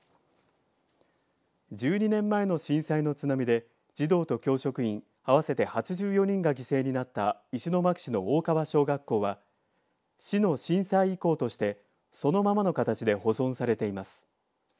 １２年前の震災の津波で児童と教職員、合わせて８４人が犠牲になった石巻市の大川小学校は市の震災遺構としてそのままの形で保存されています。